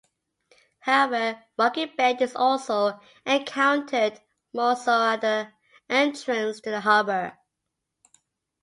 However, rocky bed is also encountered, more so at the entrance to the harbour.